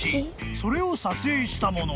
［それを撮影したもの］